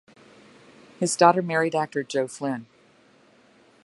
His daughter married actor Joe Flynn.